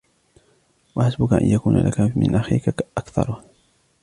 وَحَسْبُك أَنْ يَكُونَ لَك مِنْ أَخِيك أَكْثَرُهُ